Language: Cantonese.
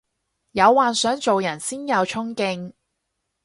有幻想做人先有沖勁